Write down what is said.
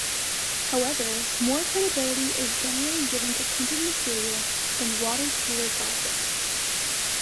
However, more credibility is generally given to printed material than 'water cooler gossip'.